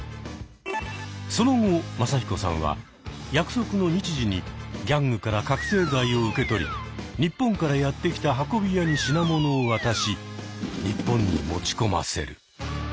その後マサヒコさんは約束の日時にギャングから覚醒剤を受け取り日本からやって来た運び屋に品物を渡し日本に持ち込ませる。